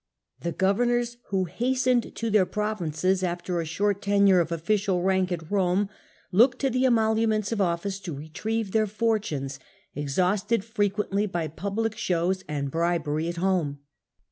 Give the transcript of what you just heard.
— A.D; Augustus, jg The governors who hastened to their provinces after a short tenure of official rank at Rome looked to the emoluments of office to retrieve their fortunes, exhausted frequently by public shows and bribery at home.